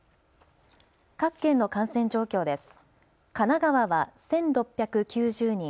各県の感染状況です。